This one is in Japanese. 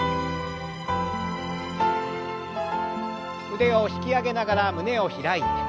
腕を引き上げながら胸を開いて。